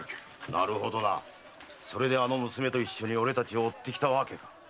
なるほどそれであの娘と一緒に俺たちを追ってきたわけか。